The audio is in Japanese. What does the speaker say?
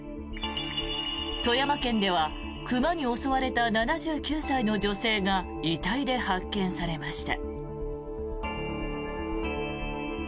富山県では熊に襲われた７９歳の女性が遺体で発見されました。